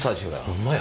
ホンマや。